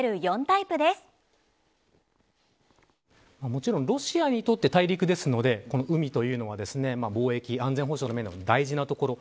もちろんロシアにとって大陸ですので海というのは、貿易安全保障の面でも大事なところ。